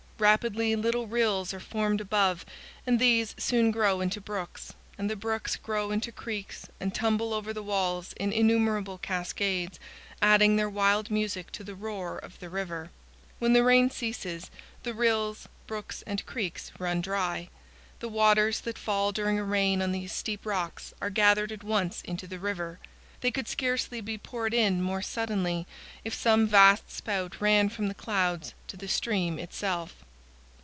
Rapidly little rills are formed above, and these soon grow into brooks, and the brooks grow into creeks and tumble over the walls in innumerable cascades, adding their wild music to the roar of the river. When the rain ceases the rills, brooks, and creeks run dry. The waters that fall during a rain on these steep rocks are gathered at once into the river; they could scarcely be poured in more suddenly if some vast spout ran from the clouds to the stream itself.